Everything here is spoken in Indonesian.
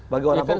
bagi orang hukum